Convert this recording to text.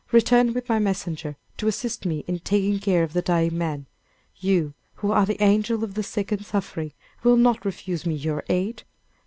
Return with my messenger, to assist me in taking care of the dying man. You, who are the angel of the sick and suffering, will not refuse me your aid.